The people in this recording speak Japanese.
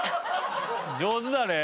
上手だね。